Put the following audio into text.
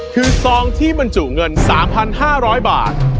คือซองที่บรรจุเงิน๓๕๐๐บาท